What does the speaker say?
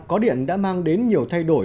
có điện đã mang đến nhiều thay đổi